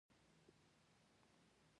کليوالي حجره وه.